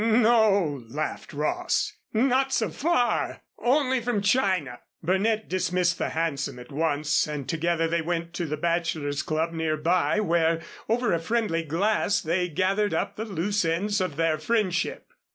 "No," laughed Ross, "not so far, only from China." Burnett dismissed the hansom at once and together they went to the Bachelors' Club near by, where, over a friendly glass, they gathered up the loose ends of their friendship.